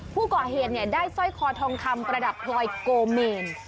ผู้ก่อเหตุได้สร้อยคอทองคำประดับพลอยโกเมน